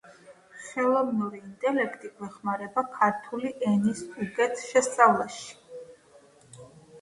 აიგო ტრანზიტული ტრანსპორტის გასატარებლად.